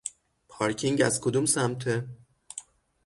پارکینگ از کدوم سمته؟